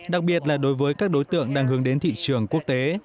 đặc biệt là đối với các đối tượng đang hướng đến thị trường quốc tế